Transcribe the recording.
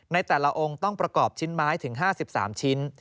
ในแต่ละองค์ต้องประกอบชิ้นไม้ถึง๕๓ชิ้น